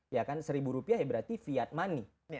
ya kan seribu rupiah berarti fiat money